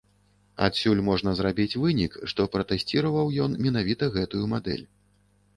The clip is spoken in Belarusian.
Адсюль можна зрабіць вынік, што пратэсціраваў ён менавіта гэтую мадэль.